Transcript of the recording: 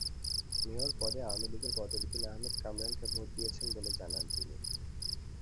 Mayor পদে আওয়ামী লীগের বদরউদ্দিন আহমদ কামরানকে ভোট দিয়েছেন বলে জানান তিনি।